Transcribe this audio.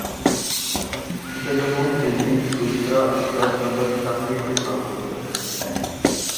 بالعموم جبلّی دوسرا رد عمل تاخیر کے ساتھ ہوتا ہے۔